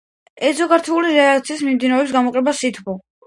ეგზოთერმული რეაქციის მიმდინარეობისას გამოიყოფა სითბო.